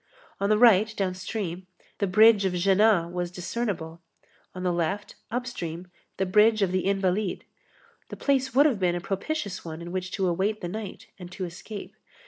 On the right, downstream, the bridge of Jéna was discernible, on the left, upstream, the bridge of the Invalides; the place would have been a propitious one in which to await the night and to escape.